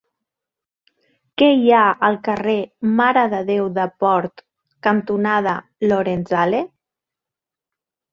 Què hi ha al carrer Mare de Déu de Port cantonada Lorenzale?